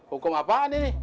hukum apaan ini